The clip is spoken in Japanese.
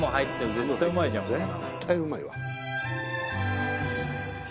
絶対うまいわ。